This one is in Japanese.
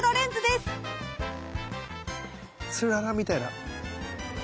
つららみたいな。